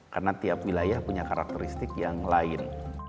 karena tiap wilayah punya karakteristik yang lain